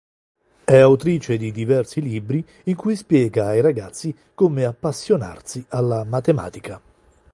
È autrice di diversi libri in cui spiega ai ragazzi come appassionarsi alla matematica.